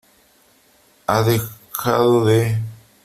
ha dejado de ...